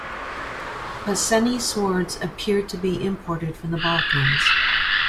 Piceni swords appear to be imported from the Balkans.